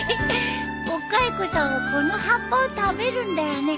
お蚕さんはこの葉っぱを食べるんだよね。